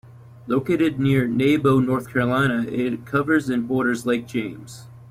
Located near Nebo, North Carolina, it covers and borders Lake James.